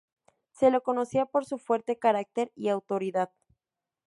Se le conocía por su fuerte carácter y autoridad.